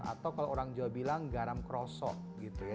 atau kalau orang jawa bilang garam krosok gitu ya